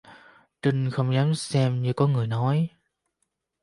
Trinh không dám xem như có người nói